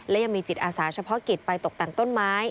และยังมีจิตอาสาเฉพาะกิจไปตกแต่งต้นไม้